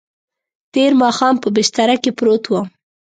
تېر ماښام په بستره کې پروت وم.